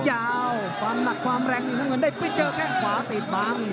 หอบพันหนักความแรงมองดัยปิ๊บเจ้าแขมขวาติดบัง